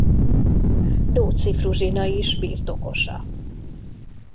Dóczy Fruzsina is birtokosa.